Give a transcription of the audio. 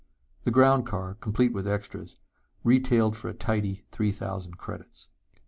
The ground car, complete with extras, retailed for a tidy three thousand credits.